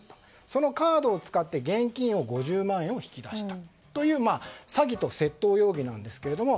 そのカードを使って現金５０万円を引き出したという詐欺と窃盗容疑なんですけれども。